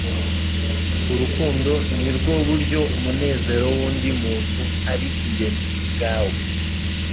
Urukundo nirwo buryo umunezero wundi muntu ari ingenzi kubwawe.”